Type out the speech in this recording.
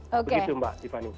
begitu mbak tiffany